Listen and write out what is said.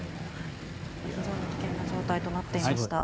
非常に危険な状態となっていました。